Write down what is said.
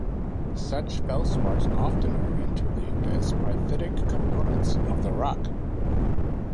Such feldspars often are interleaved as perthitic components of the rock.